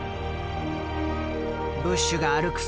ブッシュが歩く